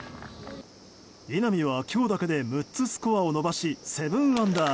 稲見は今日だけで６つスコアを伸ばし７アンダー。